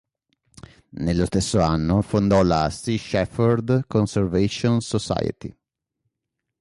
Nello stesso anno fondò la Sea Shepherd Conservation Society.